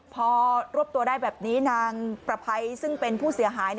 พอรวบตัวได้แบบนี้นางประภัยซึ่งเป็นผู้เสียหาย